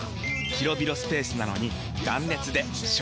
広々スペースなのに断熱で省エネ！